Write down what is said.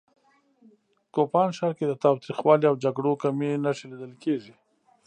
کوپان ښار کې د تاوتریخوالي او جګړو کمې نښې لیدل کېږي